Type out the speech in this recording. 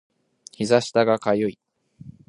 膝下が痒い